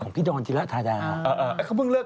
ก็นี่ทำไมยังไงโชว์